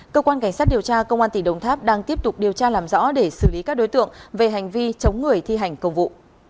cơ quan cảnh sát điều tra công an tỉnh đồng tháp đang tiếp tục điều tra làm rõ để xử lý các đối tượng về hành vi chống người thi hành công vụ